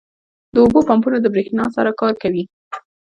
• د اوبو پمپونه د برېښنا سره کار کوي.